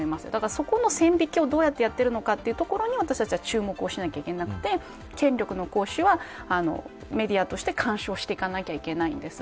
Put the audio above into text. そこの線引きをどうやってやってるのかというところに注目しなければいけなくて権力の行使はメディアとして干渉していかなきゃいけないです。